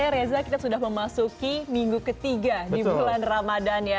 gak kerasa ya reza kita sudah memasuki minggu ketiga di bulan ramadan ya